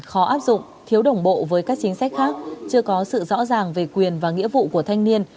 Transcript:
khó áp dụng thiếu đồng bộ với các chính sách khác chưa có sự rõ ràng về quyền và nghĩa vụ của thanh niên